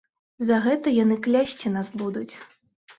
За гэта яны клясці нас будуць.